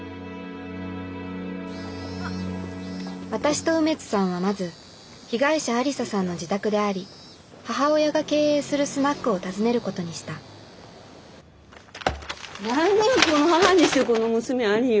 私と梅津さんはまず被害者愛理沙さんの自宅であり母親が経営するスナックを訪ねることにした何が「この母にしてこの娘あり」よ！